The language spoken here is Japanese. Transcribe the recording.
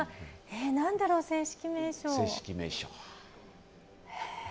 何だろう、正式名称。